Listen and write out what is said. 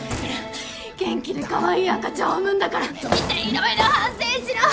元気でカワイイ赤ちゃんを産むんだから見て色々反省しろ！